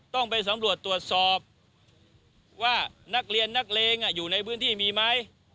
ต้องไปสำรวจตรวจสอบว่านักเรียนนักเลงอยู่ในพื้นที่มีไหม